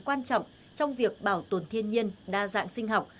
quan trọng trong việc bảo tồn thiên nhiên đa dạng sinh học